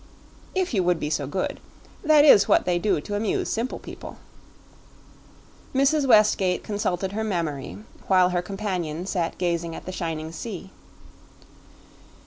"If you would be so good. That is what they do to amuse simple people." Mrs. Westgate consulted her memory, while her companion sat gazing at the shining sea.